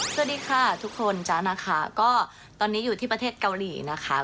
สวัสดีค่ะทุกคนจ๊ะนะคะก็ตอนนี้อยู่ที่ประเทศเกาหลีนะคะ